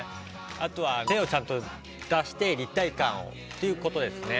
あとは手をちゃんと出して立体感をっていうことですね。